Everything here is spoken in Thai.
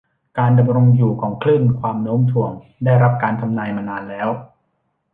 การดำรงอยู่ของคลื่นความโน้มถ่วงได้รับการทำนายมานานแล้ว